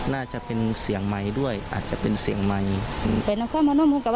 น่าจะเป็นเสียงใหม่ด้วยอาจจะเป็นเสียงใหม่